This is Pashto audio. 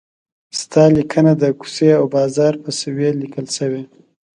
ستا لیکنه د کوڅې او بازار په سویې لیکل شوې.